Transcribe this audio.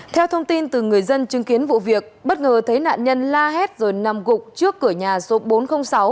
theo thông tin từ người dân chứng kiến vụ việc bất ngờ thấy nạn nhân la hét rồi nằm gục trước cửa nhà số bốn trăm linh sáu